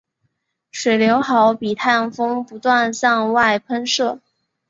水流好比太阳风不断向外喷射。